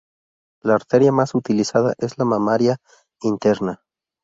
La arteria más utilizada es la mamaria interna.